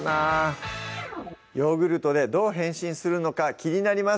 ヨーグルトでどう変身するのか気になります